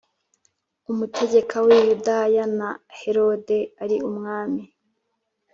Umutegeka w i yudaya na herode ari umwami